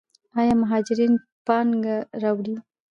آیا مهاجرین پانګه راوړي؟